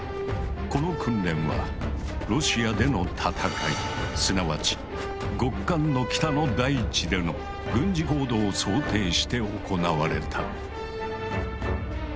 この訓練はロシアでの戦いすなわち極寒の北の大地での軍事行動を想定して行われた。